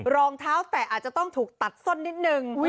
รองเท้าแตะอาจจะต้องถูกตัดส้นนิดนึง